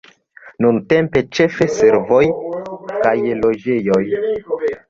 Nuntempe ĉefe servoj kaj loĝejoj.